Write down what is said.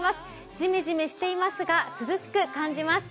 ジメジメしていますが、涼しく感じます。